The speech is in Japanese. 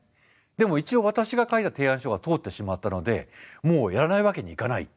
でも一応私が書いた提案書が通ってしまったのでもうやらないわけにいかない。